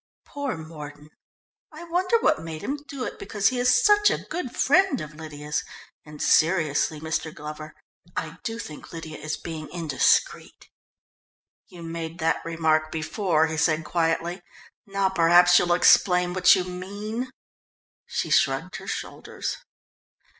Poor Mordon. I wonder what made him do it, because he is such a good friend of Lydia's, and seriously, Mr. Glover, I do think Lydia is being indiscreet." "You made that remark before," he said quietly. "Now perhaps you'll explain what you mean." She shrugged her shoulders.